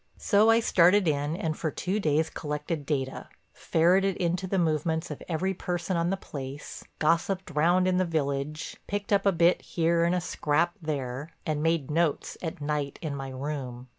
So I started in and for two days collected data, ferreted into the movements of every person on the place, gossiped round in the village, picked up a bit here and a scrap there, and made notes at night in my room.